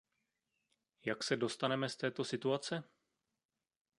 Jak se dostaneme z této situace?